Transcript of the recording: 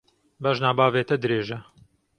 Bejna bavê te dirêj e.